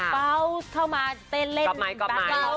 เป้าเข้ามาเต้นเล่นบาร์ดคอนน่ะ